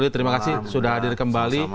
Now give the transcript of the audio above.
terima kasih sudah hadir kembali